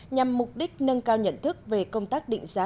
nhằm mục đích nâng cao nhận thức về công tác định giá